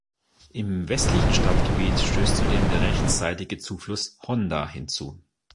Im westlichen Stadtgebiet stößt zudem der rechtsseitige Zufluss "Honda" hinzu.